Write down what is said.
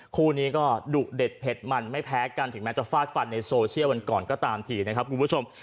คู่นี้ก็ดุเด็ดเผ็ดมันไม่แพ้กันถึงแม้จะฟาดฟันในโซเชียลวันก่อนก็ตามทีนะครับคุณผู้ชม